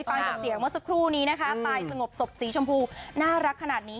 ฟังจากเสียงเมื่อสักครู่นี้นะคะตายสงบศพสีชมพูน่ารักขนาดนี้